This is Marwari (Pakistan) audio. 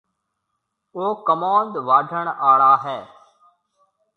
او ڪموُند واڊهڻ آݪا هيَ۔